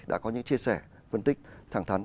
đã có những chia sẻ phân tích thẳng thắn